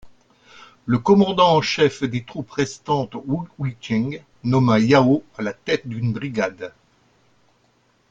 Le commandant-en—chef des troupes restantes, Wu Yicheng, nomma Yao à la tête d'une brigade.